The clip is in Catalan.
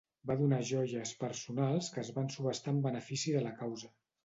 Va donar joies personals que es van subhastar en benefici de la causa.